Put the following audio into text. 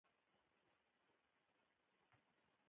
تاسو د موبایل په واسطه د چک بک غوښتنه کولی شئ.